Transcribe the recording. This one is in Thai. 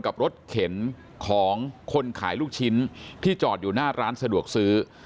กับรถเข็นของคนขายลูกชิ้นที่จอดอยู่หน้าร้านสะดวกซื้อ